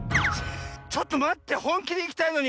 ちょっとまってほんきでいきたいのに。